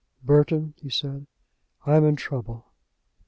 "Burton," he said, "I am in trouble."